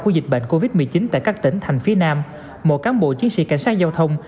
của dịch bệnh covid một mươi chín tại các tỉnh thành phía nam mỗi cán bộ chiến sĩ cảnh sát giao thông